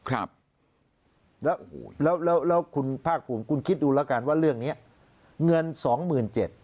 แล้วคุณภาครุมคุณคิดดูแล้วกันว่าเรื่องนี้เงิน๒๗๐๐๐บาท